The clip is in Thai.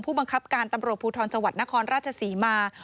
ผู้บังคับการตำรวจภูทรจวัตรนครราชศรีมา